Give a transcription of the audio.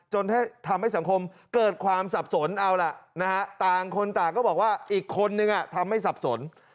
ทำให้สังคมเกิดความสับสนเอาล่ะต่างคนต่างก็บอกว่าอีกคนนึงทำให้สับสน